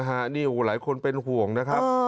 นี่หลายคนเป็นห่วงนะครับ